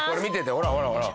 ほらほらほら。